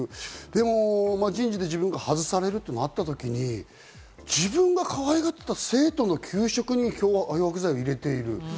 でも人事で自分が外されるとなった時に自分がかわいがっていた生徒の給食に漂白剤を入れている。